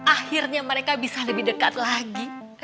akhirnya mereka bisa lebih dekat lagi